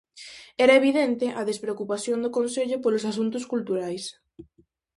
Era evidente a despreocupación do Concello polos asuntos culturais.